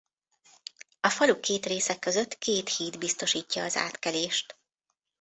A falu két része között két híd biztosítja az átkelést.